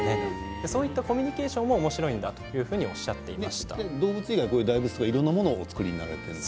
そういうコミュニケーションもおもしろいとおっしゃっていました。